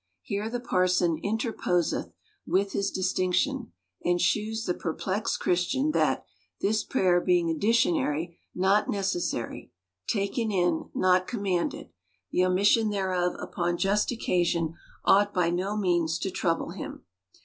Here the parson interposeth with his dis tinction, and shews the perplexed Christian, that — this prayer being additionary, not necessary ; taken in ; not commanded, — the omission thereof upon just occasion ought by no means to trouble him.